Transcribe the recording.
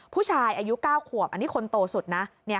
ผู้ชายอายุ๙ขวบอันนี้คนโตสุดนะ